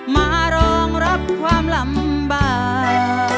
มารองรับความลำบาก